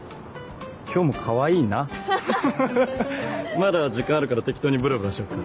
まだ時間あるから適当にブラブラしよっか。